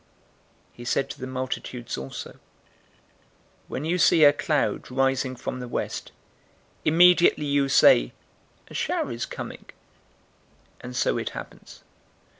012:054 He said to the multitudes also, "When you see a cloud rising from the west, immediately you say, 'A shower is coming,' and so it happens.